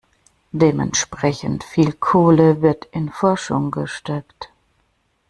Dementsprechend viel Kohle wird in Forschung gesteckt.